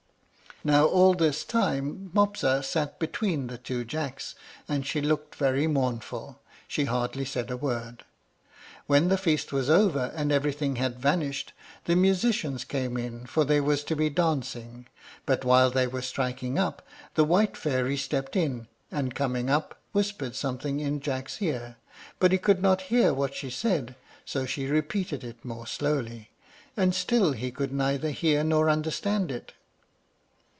Now all this time Mopsa sat between the two Jacks, and she looked very mournful, she hardly said a word. When the feast was over, and everything had vanished, the musicians came in, for there was to be dancing; but while they were striking up, the white fairy stepped in, and, coming up, whispered something in Jack's ear; but he could not hear what she said, so she repeated it more slowly, and still he could neither hear nor understand it.